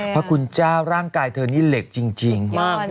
พระคุณเจ้าร่างกายเธอนี่เหล็กจริง